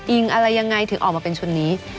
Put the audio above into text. อะไรยังไงถึงออกมาเป็นชุดนี้